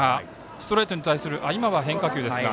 ストレートに対する今は変化球ですが。